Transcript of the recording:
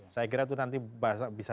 saya kira itu nanti bisa